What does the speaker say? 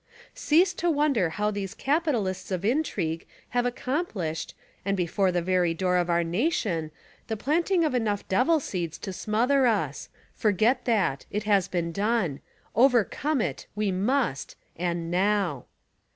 Cease to wonder how these capitalists of intrigue have accomplished, and before the very door of our nation, the planting of enough devil seeds to smother us ; forget that; it has been done— overcome it, we must and now!